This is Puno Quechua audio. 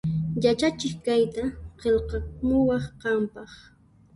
Yachachiq kayta qillqamuwan qanpaq